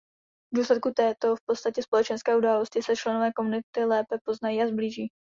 V důsledku této v podstatě společenské události se členové komunity lépe poznají a sblíží.